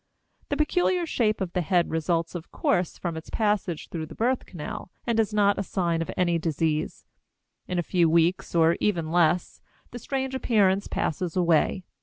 The peculiar shape of the head results, of course, from its passage through the birth canal and is not a sign of any disease. In a few weeks, or even less, the strange appearance passes away.